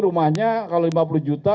rumahnya kalau lima puluh juta